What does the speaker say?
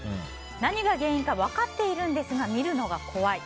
何が原因か分かっているのですが見るのが怖い。